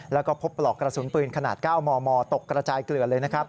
แล้วก็พบปลอกกระสุนปืนขนาด๙มมตกกระจายเกลือเลยนะครับ